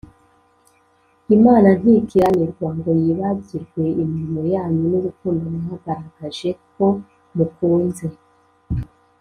Imana ntikiranirwa ngo yibagirwe imirimo yanyu n urukundo mwagaragaje ko mukunze